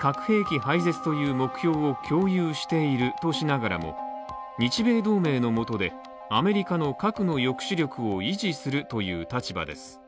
核兵器廃絶という目標を共有しているとしながらも、日米同盟のもとで、アメリカの核の抑止力を維持するという立場です。